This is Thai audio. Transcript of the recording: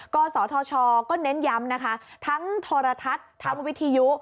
กศธชก็เน้นย้ำนะคะทั้งโทรทัศน์ทั้งวิทยุ